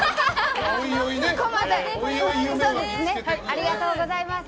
ありがとうございます。